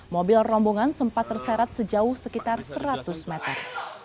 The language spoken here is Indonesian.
mobil rombongan sempat terserat sejauh sekitar seratus meter